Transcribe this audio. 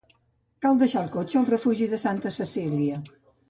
Cal deixar el cotxe al refugi de Santa Cecília.